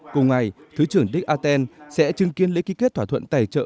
cùng ngày thứ trưởng dick archer sẽ chứng kiến lễ ký kết thỏa thuận tài trợ